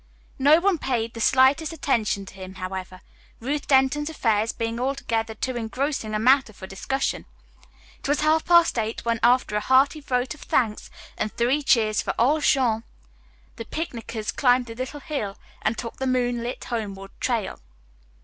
No one paid the slightest attention to him, however, Ruth Denton's affairs being altogether too engrossing a matter for discussion. It was half past eight when, after a hearty vote of thanks and three cheers for old Jean, the picnickers climbed the little hill and took the moonlit homeward trail.